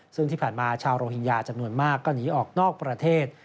ซึ่งที่ผ่านมาชาวโรฮิงญาจำนวนมากก็หนีออกนอกประเทศ